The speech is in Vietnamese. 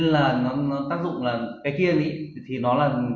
nên là nó tác dụng là cái kia thì nó là